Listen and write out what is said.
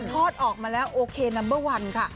ทอดออกมาแล้วโอเคนัมเบอร์วันค่ะ